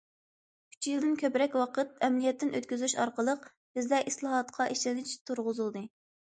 ئۈچ يىلدىن كۆپرەك ۋاقىت ئەمەلىيەتتىن ئۆتكۈزۈش ئارقىلىق، بىزدە ئىسلاھاتقا ئىشەنچ تۇرغۇزۇلدى.